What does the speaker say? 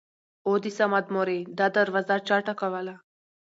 اوو د صمد مورې دا دروازه چا ټکوله!!